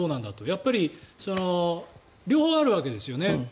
やっぱり両方あるわけですよね。